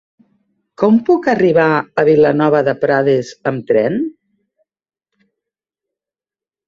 Com puc arribar a Vilanova de Prades amb tren?